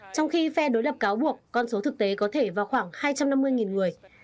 trong khi phe đối lập cáo buộc con số thực tế có thể vào khoảng hai trăm năm mươi người